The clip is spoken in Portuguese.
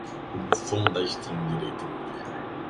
O bufão da extrema direita mundial